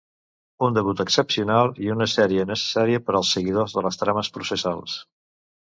Un debut excepcional i una sèrie necessària per als seguidors de les trames processals.